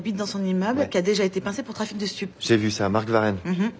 うん。